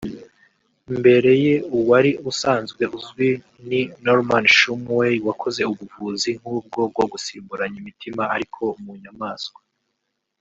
Mbere ye uwari usanzwe uzwi ni Norman Shumway wakoze ubuvuzi nk’ubwo bwo gusimburanya imitima ariko mu nyamaswa